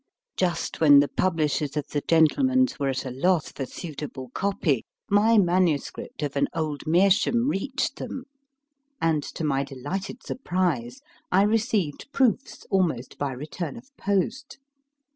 Just when the publishers of the Gentleman s were at a loss for suitable copy, my MS. of * An Old Meerschaum reached them, and, to my delighted surprise, I received proofs almost by return of post.